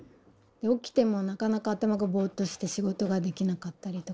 起きてもなかなか頭がぼっとして仕事ができなかったりとか。